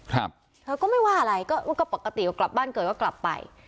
ครับเธอก็ไม่ว่าอะไรก็ก็ปกติก็กลับบ้านเกิดก็กลับไป